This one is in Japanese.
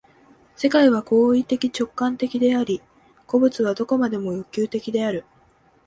世界は行為的直観的であり、個物は何処までも欲求的である。